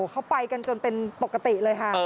เขาไปกันจนเป็นปกติเลยค่ะ